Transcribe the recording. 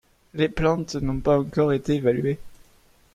Les plantes n’ont pas encore été évaluées.